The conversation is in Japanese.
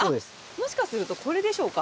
もしかするとこれでしょうか？